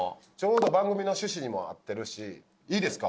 ちょうど番組の趣旨にも合ってるしいいですか？